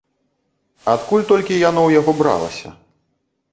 Адкуль толькі яно ў яго бралася.